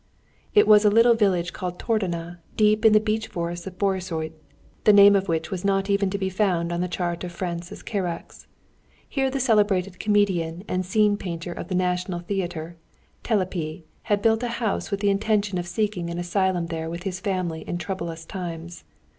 It was a little village called Tordona, deep in the beech forests of Borsod, the name of which was not even to be found on the chart of Francis Karacs. Here the celebrated comedian and scene painter of the National Theatre, Telepi, had built a house with the intention of seeking an asylum there with his family in troublous times.